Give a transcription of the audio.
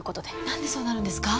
なんでそうなるんですか？